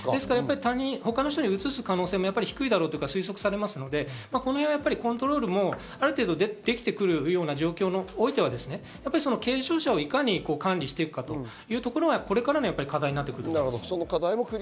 他の人にうつす可能性も少ないと推測されるので、コントロールもある程度できてくるような状況においては軽症者をいかに管理していくかというところはこれからの課題になってくると思います。